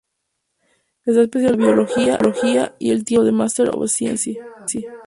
Está especializado en la biología y tiene el título de Master of Science.